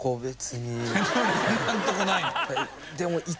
今のとこないの？